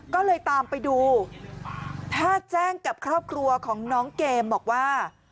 ก็เลยตามไปดูถ้าแจ้งกับครอบครัวของน้องเกมบอกว่า